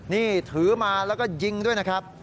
นี่ถือมาแล้วก็ยิงด้วยนะครับ